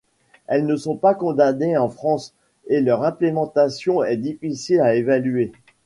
Elles ne sont pas condamnées en France, et leur implantation est difficile à évaluer.